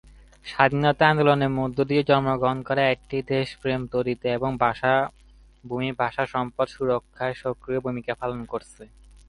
স্বাধীনতা আন্দোলনের মধ্য দিয়ে জন্মগ্রহণ করা, এটি দেশপ্রেম তৈরিতে এবং ভূমি, ভাষা ও সম্পদ সুরক্ষায় সক্রিয় ভূমিকা পালন করেছে।